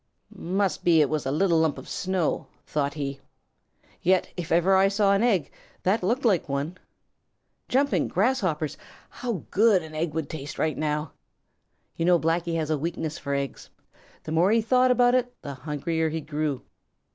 "Must be it was a little lump of snow," thought he. "Yet if ever I saw an egg, that looked like one. Jumping grasshoppers, how good an egg would taste right now!" You know Blacky has a weakness for eggs. The more he thought about it, the hungrier he grew.